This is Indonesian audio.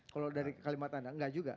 kalau dari kalimat anda enggak juga